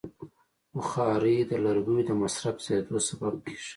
بخاري د لرګیو د مصرف زیاتیدو سبب کېږي.